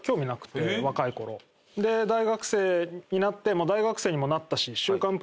で大学生になって大学生にもなったし。